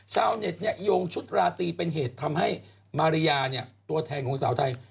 ชาวเน็ตโยงชุดราตรีเป็นเหตุทำให้มาริยาตัวแทนของสาวไทย